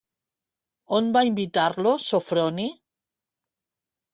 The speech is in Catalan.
On va invitar-lo Sofroni?